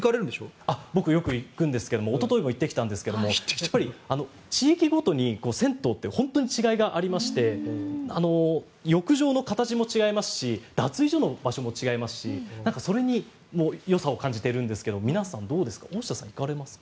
僕、よく行くんですがおとといも行ってきたんですが地域ごとに銭湯って本当に違いがありまして浴場の形も違いますし脱衣所の場所も違いますしそれによさを感じてるんですが皆さん、行かれますか？